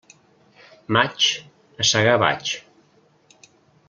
Maig, a segar vaig.